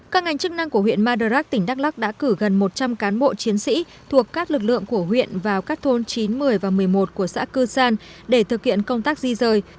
các ngành chức năng của huyện madarak tỉnh đắk lắc đã cử gần một trăm linh cán bộ chiến sĩ thuộc các lực lượng của huyện vào các thôn chín một mươi và một mươi một của xã cư san để thực hiện công tác di rời